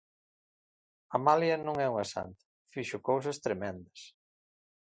Amalia non é unha santa: fixo cousas tremendas.